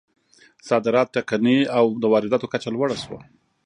صادرات ټکني او د وارداتو کچه لوړه شوه.